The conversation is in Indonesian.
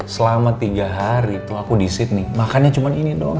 selama tiga hari tuh aku di sydney makannya cuma ini dong